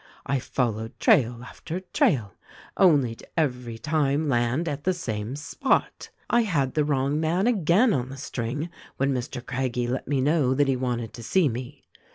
I followed trail after trail only to every time land at the same spot. I had the wrong man again on the string when Mr. Craggie let me know tha't he wanted to see me.